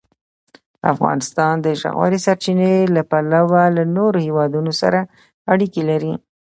افغانستان د ژورې سرچینې له پلوه له نورو هېوادونو سره اړیکې لري.